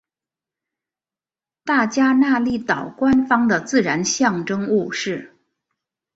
大加那利岛官方的自然象征物是。